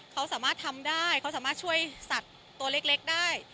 เขาสามารถทำได้เขาสามารถช่วยสัตว์ตัวเล็กได้